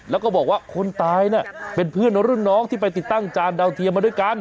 แล้วก็บอกว่าคนตายน่ะเป็นเพื่อนรุ่นน้องที่ไปติดตั้งจานดาวเทียมมาด้วยกัน